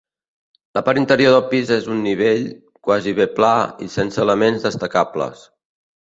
La part interior del pis és un nivell, quasi bé pla i sense elements destacables.